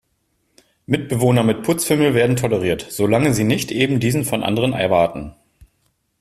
Mitbewohner mit Putzfimmel werden toleriert, solange sie nicht eben diesen von anderen erwarten.